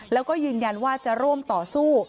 แล้วก็ยืนยันว่าจะร่วมต่อสู้